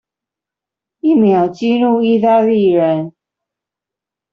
一秒激怒義大利人